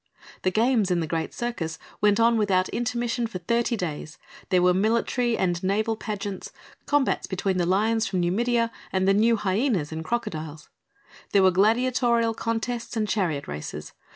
The games in the great Circus went on without intermission for thirty days; there were military and naval pageants, combats between the lions from Numidia and the new hyenas and crocodiles; there were gladiatorial contests and chariot races.